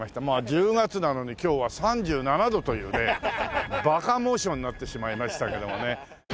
１０月なのに今日は３７度というねバカモーションになってしまいましたけどもね。